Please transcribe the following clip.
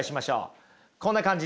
こんな感じです。